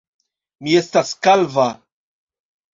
Mi estas kalva.